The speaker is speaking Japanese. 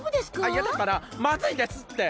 いやだからまずいんですって！